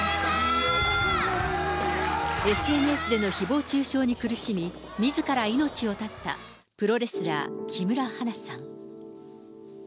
ＳＮＳでのひぼう中傷に苦しみ、みずから命を絶ったプロレスラー、木村花さん。